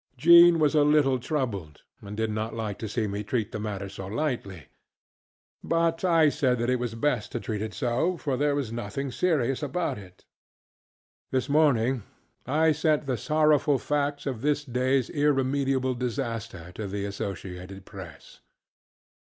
Jean was a little troubled, and did not like to see me treat the matter so lightly; but I said it was best to treat it so, for there was nothing serious about it. This morning I sent the sorrowful facts of this dayŌĆÖs irremediable disaster to the Associated Press.